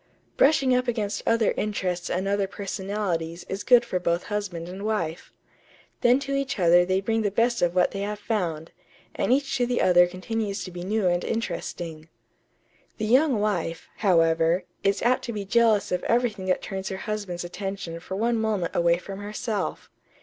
Brushing up against other interests and other personalities is good for both husband and wife. Then to each other they bring the best of what they have found, and each to the other continues to be new and interesting.... The young wife, however, is apt to be jealous of everything that turns her husband's attention for one moment away from herself.